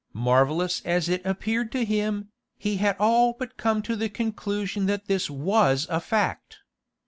Marvellous as it appeared to him, he had all but come to the conclusion that this was a fact.